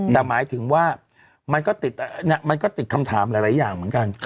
แต่หมายถึงว่ามันก็ติดมันก็ติดคำถามหลายอย่างเหมือนกัน